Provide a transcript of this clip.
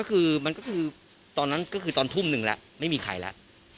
ก็คือมันก็คือตอนนั้นก็คือตอนทุ่มหนึ่งแล้วไม่มีใครแล้ว